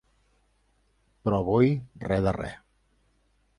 Però avui re de re.